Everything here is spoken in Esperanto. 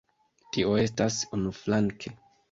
Tio estas unuflanke.